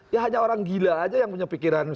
ya hanya orang gila aja yang punya pikiran